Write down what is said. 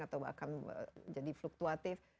atau bahkan jadi fluktuatif